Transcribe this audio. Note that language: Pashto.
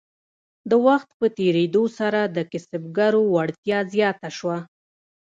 د وخت په تیریدو سره د کسبګرو وړتیا زیاته شوه.